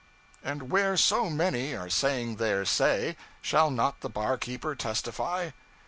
And where so many are saying their say, shall not the barkeeper testify?